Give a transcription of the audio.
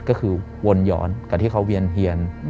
ก็คือวนหย้อนกับที่เขาเวียน